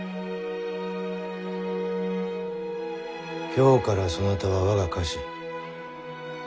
今日からそなたは我が家臣。